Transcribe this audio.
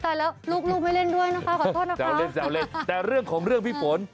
ตายแล้วลูกไม่เล่นด้วยนะคะขอโทษนะคะแซวเล่นแต่เรื่องของเรื่องพี่ฝน